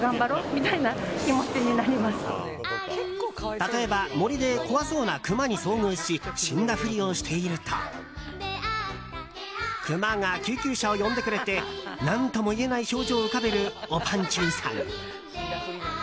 例えば森で怖そうなクマに遭遇し死んだふりをしているとクマが救急車を呼んでくれて何とも言えない表情を浮かべるおぱんちゅうさぎ。